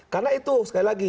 karena itu sekali lagi